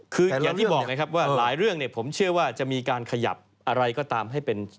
คืออย่างที่บอกไงครับว่าหลายเรื่องเนี่ยผมเชื่อว่าจะมีการขยับอะไรก็ตามให้เป็น